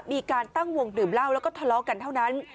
มีการตั้งวงดื่มเหล้าแล้วก็ทะเลาะกันเท่านั้น